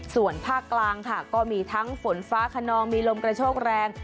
ส่วนภาคกลางค่ะก็มีทั้งฝนฟ้าขนองมีลมกระโชกแรง